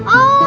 oh begitu ya